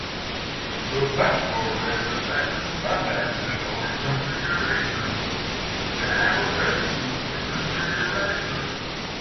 The platform emphasizes convention over configuration and annotations for configuration.